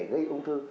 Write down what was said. gây ung thư